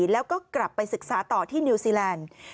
แล้วก็กลับไปศึกษาต่อที่นิวซีแลนด์